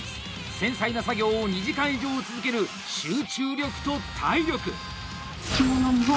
繊細な作業を２時間以上続ける集中力と体力！